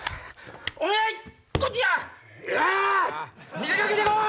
見せかけてこう！